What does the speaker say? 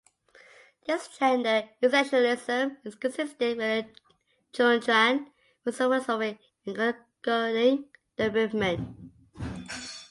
This gender essentialism is consistent with the Jungian philosophy undergirding the movement.